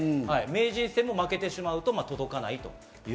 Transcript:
名人戦も負けてしまうと届かない。